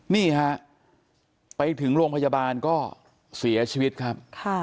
นี่ฮะไปถึงโรงพยาบาลก็เสียชีวิตครับ